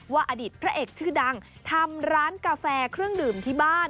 อดีตพระเอกชื่อดังทำร้านกาแฟเครื่องดื่มที่บ้าน